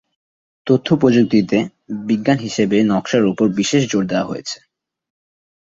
তথ্য প্রযুক্তিতে বিজ্ঞান হিসাবে নকশার উপর বিশেষ জোর দেওয়া হয়েছে।